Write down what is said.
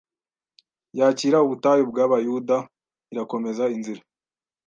yakira ubutayu bwa Bayuda irakomeza inzira